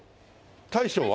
大将は？